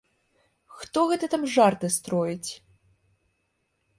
Хто гэта там жарты строіць!